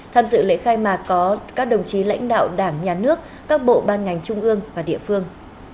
tham dự lễ khai mạc có các đồng chí lãnh đạo đảng nhà nước các bộ ban ngành trung ương và địa phương